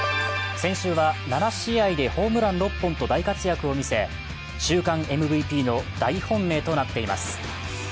先週は７試合でホームラン６本と大活躍を見せ週間ＭＶＰの大本命となっています。